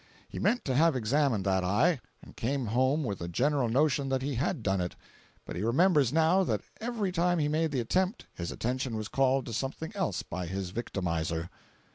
He meant to have examined that eye, and came home with a general notion that he had done it; but he remembers now that every time he made the attempt his attention was called to something else by his victimizer.